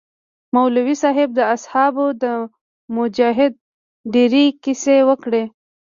مولوي صاحب د اصحابو د جهاد ډېرې كيسې وكړې.